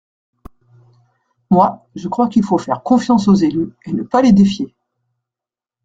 Moi, je crois qu’il faut faire confiance aux élus et ne pas les défier.